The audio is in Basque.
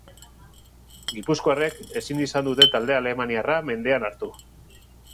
Gipuzkoarrek ezin izan dute talde alemaniarra mendean hartu.